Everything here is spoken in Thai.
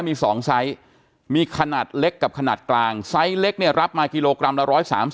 มี๒ไซส์มีขนาดเล็กกับขนาดกลางไซส์เล็กเนี่ยรับมากิโลกรัมละ๑๓๐